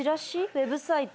ウェブサイト？